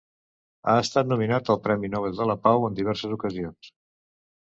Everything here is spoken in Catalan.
Ha estat nominat al Premi Nobel de la Pau en diverses ocasions.